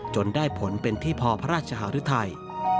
ได้ผลเป็นที่พอพระราชหารุทัย